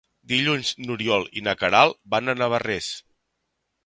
Dilluns n'Oriol i na Queralt van a Navarrés.